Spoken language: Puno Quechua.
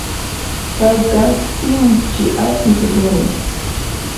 Payqa sinchi asiq runa.